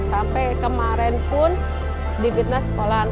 sampai kemarin pun di fitnah sekolahan